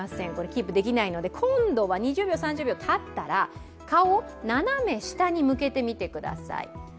キープできないので、今度は２０３０秒たったら顔を斜め下に向けてみてください。